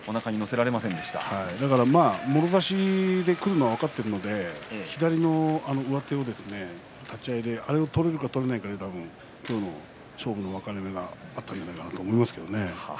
もろ差しでくるのは分かっているので、左の上手を立ち合いで取れるか取れないかで勝負の分かれ目があったのではないかと思います。